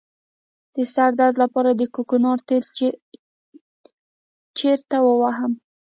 د سر درد لپاره د کوکنارو تېل چیرته ووهم؟